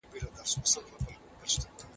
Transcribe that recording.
ایا زده کوونکي ستړي کېږي؟